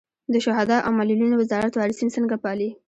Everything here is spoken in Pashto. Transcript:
د شهدا او معلولینو وزارت وارثین څنګه پالي؟